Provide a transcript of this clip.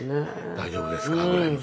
大丈夫ですか？ぐらいの。